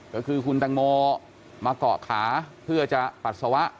ก็คือคุณตังโมมาเกาะขาเพื่อจะปัสสาวะ